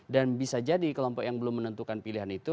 dan bisa jadi kelompok yang belum menentukan pilihan itu